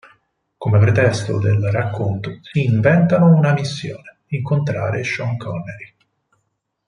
Come pretesto del racconto si inventano una missione: incontrare Sean Connery.